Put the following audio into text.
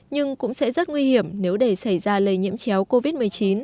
nhưng cũng sẽ rất nguy hiểm nếu để xảy ra lây nhiễm chéo covid một mươi chín